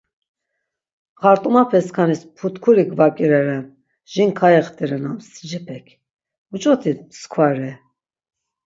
Xart̆umape skanis putkuri gvak̆ireren, jin kayexterenan msicepek. Muç̌oti mskva re.